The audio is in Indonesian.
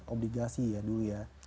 obligasi ya dulu ya